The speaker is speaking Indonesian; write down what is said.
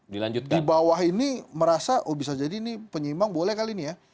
di bawah ini merasa oh bisa jadi ini penyeimbang boleh kali ini ya